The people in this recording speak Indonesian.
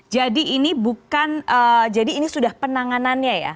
jadi ini sudah penanganannya ya